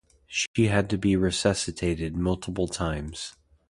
She had to be resuscitated multiple times.